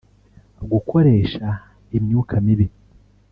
gukoresha imyuka mibi